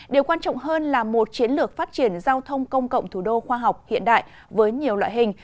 điều quan trọng hơn là một chiến lược phát triển giao thông công cộng thủ đô khoa học hiện đại với nhiều loại hình